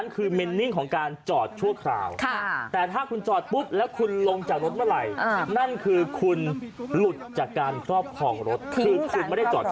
คือผิดเต็มยังไงก็ตกรถลดหรอ